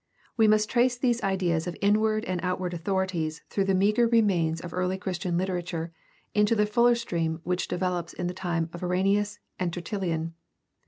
We must trace these ideas of inward and of outward authorities through the meager remains of early Christian literature into the fuller stream which develops in the time of Irenaeus and TertuUian.